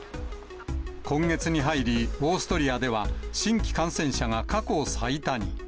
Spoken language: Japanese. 今月に入り、オーストリアでは、新規感染者が過去最多に。